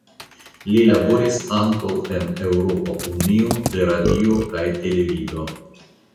Li laboris ankaŭ en Eŭropa Unio de Radio kaj Televido.